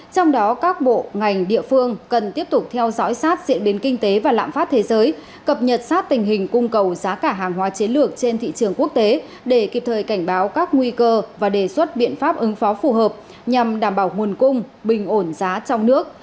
trong đó các bộ ngành địa phương cần tiếp tục theo dõi sát diễn biến kinh tế và lạm phát thế giới cập nhật sát tình hình cung cầu giá cả hàng hóa chiến lược trên thị trường quốc tế để kịp thời cảnh báo các nguy cơ và đề xuất biện pháp ứng phó phù hợp nhằm đảm bảo nguồn cung bình ổn giá trong nước